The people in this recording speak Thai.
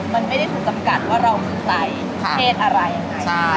มันไม่ได้ถูกจำกัดว่าเรามีใจเทศอะไรอย่างไร